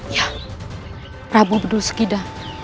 ya prabu bedul sakida